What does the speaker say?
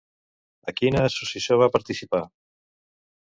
A quina associació va participar?